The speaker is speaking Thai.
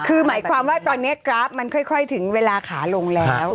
คือหมายความว่าตอนนี้กราฟมันค่อยถึงเวลาขาลงแล้ว